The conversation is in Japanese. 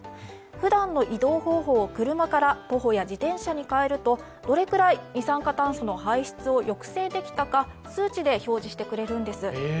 ふだんの移動方法を車から徒歩や自転車に変えるとどれくらい二酸化炭素の排出を抑制できたか、数値で表示してくれるんです。